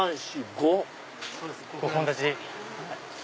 ５本立ち。